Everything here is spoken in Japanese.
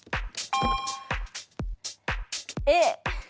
Ａ。